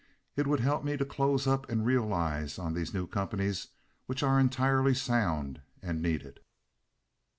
It would help me to close up and realize on these new companies which are entirely sound and needed.